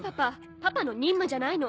パパの任務じゃないの。